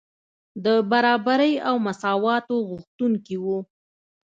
د برابرۍ او مساواتو غوښتونکي وو.